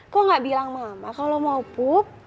kok gak bilang mama kalau mau pup